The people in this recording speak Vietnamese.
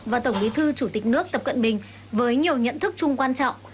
và tổng bí thư chủ tịch nước tập cận bình với nhiều nhận thức chung quan trọng